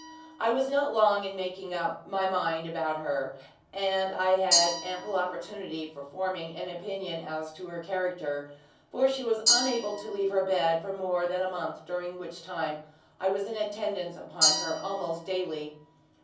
I was not long in making up my mind about her; and I had ample opportunity for forming an opinion as to her character, for she was unable to leave her bed for more than a month, during which time I was in attendance upon her almost daily.